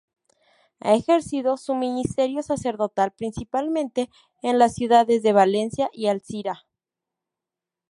Ha ejercido su ministerio sacerdotal, principalmente, en las ciudades de Valencia y Alcira.